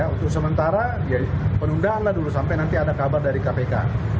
untuk sementara penundaanlah dulu sampai nanti ada kabar dari kpk